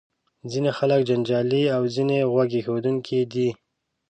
ځینې خلک جنجالي او ځینې غوږ ایښودونکي دي.